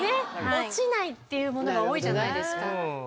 落ちないっていうものが多いじゃないですか。